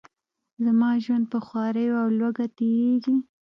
زما ژوند په خواریو او لوږه تیریږي.